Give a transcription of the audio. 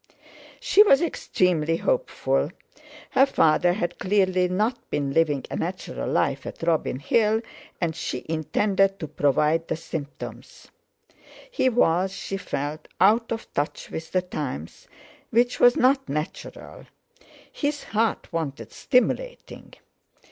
She was extremely hopeful. Her father had clearly not been living a natural life at Robin Hill, and she intended to provide the symptoms. He was—she felt—out of touch with the times, which was not natural; his heart wanted stimulating.